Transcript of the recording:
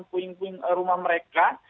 puing puing rumah mereka